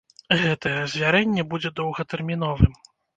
Гэтае азвярэнне будзе доўгатэрміновым.